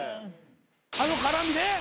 あの絡みで？